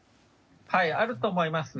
はい、あると思います。